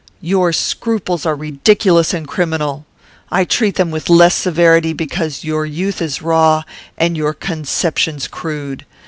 "Your scruples are ridiculous and criminal. I treat them with less severity, because your youth is raw and your conceptions crude.